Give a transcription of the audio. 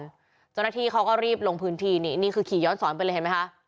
เจ้าหน้าที่เขาก็รีบลงพื้นที่นี่นี่คือขี่ย้อนสอนไปเลยเห็นไหมคะ